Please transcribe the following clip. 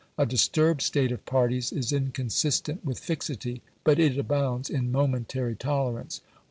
A disturbed state of parties is inconsistent with fixity, but it abounds in momentary tolerance.